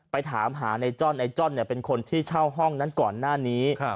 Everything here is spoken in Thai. ถามหาในจ้อนไอ้จ้อนเป็นคนที่เช่าห้องนั้นก่อนหน้านี้